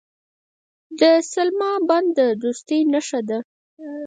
د سلما بند د دوستۍ نښه ده.